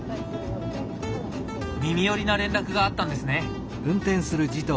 耳寄りな連絡があったんですね？